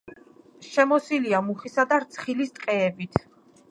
შემოსილია მუხისა და რცხილის ტყეებით.